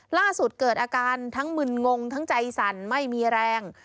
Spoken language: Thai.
เกิดอาการทั้งมึนงงทั้งใจสั่นไม่มีแรง